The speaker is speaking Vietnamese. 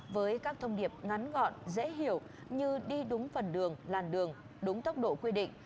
với các thông điệp ngắn gọn dễ hiểu như đi đúng phần đường làn đường đúng tốc độ quy định